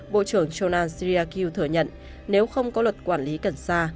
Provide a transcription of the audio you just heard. bộ trưởng chonan sirakil thừa nhận nếu không có luật quản lý cần xa